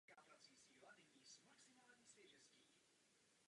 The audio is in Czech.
Zákaz výroby, převozu a skladování kazetové munice zachrání mnoho životů.